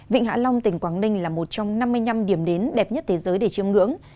vịnh hạ long tỉnh quảng ninh là một trong năm mươi năm điểm đến đẹp nhất thế giới để chiêm ngưỡng